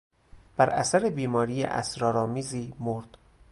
بر اثر بیماری اسرارآمیزی مرد.